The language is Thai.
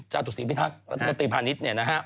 จตุศีพิทักษ์รัฐมนตรีพาณิชย์เนี่ยนะฮะ